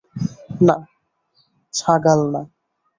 না, ছাগ্যাল না।